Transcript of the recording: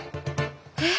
えっ？